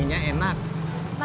ih nanti ya kalau aku belinya banyak